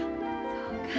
そうか。